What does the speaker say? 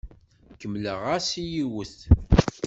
Kemmleɣ-as i yiwet.